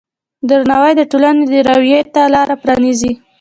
درناوی د ټولنې د راوي ته لاره پرانیزي.